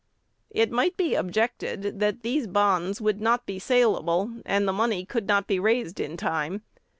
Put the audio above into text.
"It might be objected that these bonds would not be salable, and the money could not be raised in time.